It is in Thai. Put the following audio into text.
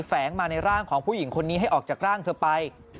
แฝงมาในร่างของผู้หญิงคนนี้ให้ออกจากร่างเธอไป